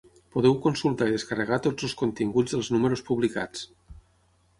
Podeu consultar i descarregar tots els continguts dels números publicats.